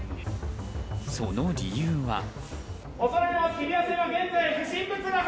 その理由は。